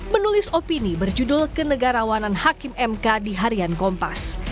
menulis opini berjudul kenegarawanan hakim mk di harian kompas